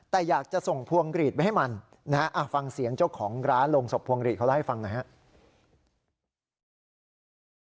แต่อยากจะส่งพวงรีดไปให้มันฟังเสียงเจ้าของร้านโรงศพพวงรีดเขาให้ฟังนะครับ